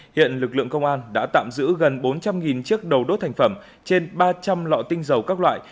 hiện lực lượng công an đã tạm giữ gần bốn trăm linh chiếc đầu đốt thành phẩm trên ba trăm linh lọ tinh dầu các loại